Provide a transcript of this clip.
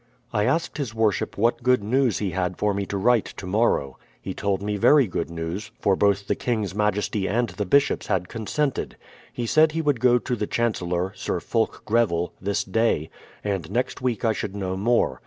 I asked his Worship what good news he had for me to write to morrow. He told me very good news, for both the King's majesty and the bishops had consented. He said he would go to the Chan cellor, Sir Fulk Greville, this day, and next week I should know more.